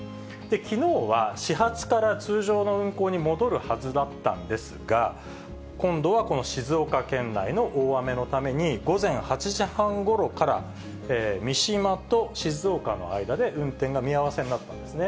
きのうは始発から通常の運行に戻るはずだったんですが、今度はこの静岡県内の大雨のために、午前８時半ごろから、三島と静岡の間で運転が見合わせになったんですね。